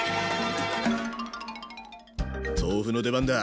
豆腐の出番だ！